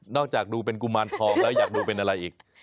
จากดูเป็นกุมารทองแล้วอยากดูเป็นอะไรอีก